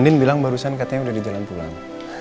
nin bilang barusan katanya udah di jalan pulang